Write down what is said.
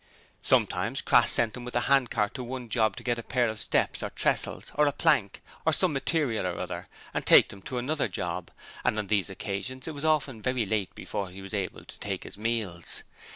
Sometimes Crass sent him with a handcart to one job to get a pair of steps or tressels, or a plank, or some material or other, and take them to another job, and on these occasions it was often very late before he was able to take his meals.